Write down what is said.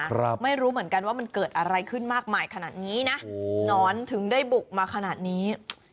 ครับไม่รู้เหมือนกันว่ามันเกิดอะไรขึ้นมากมายขนาดนี้นะหนอนถึงได้บุกมาขนาดนี้